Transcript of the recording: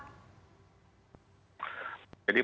jadi pertanyaan ini